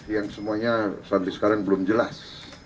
yang semuanya sampai sekarang belum jelas